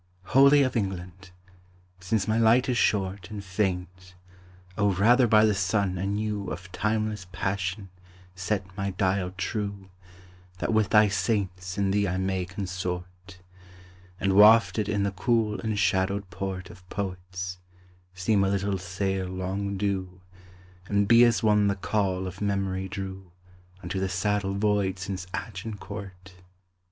Holy of England! since my light is short And faint, O rather by the sun anew Of timeless passion set my dial true, That with thy saints and thee I may consort; And wafted in the cool enshadowed port Of poets, seem a little sail long due, And be as one the call of memory drew Unto the saddle void since Agincourt!